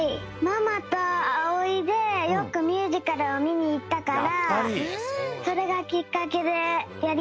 ママとあおいでよくミュージカルをみにいったからそれがきっかけでやりたくなった。